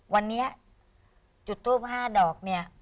วันนี้จุดทูป๕ดอกเนี่ย